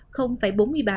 không phải bốn mươi ba